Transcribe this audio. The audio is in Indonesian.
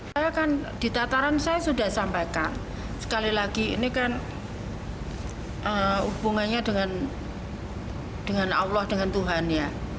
saya kan di tataran saya sudah sampaikan sekali lagi ini kan hubungannya dengan allah dengan tuhan ya